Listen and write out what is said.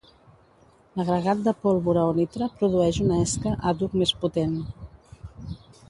L'agregat de pólvora o nitre produeix una esca àdhuc més potent.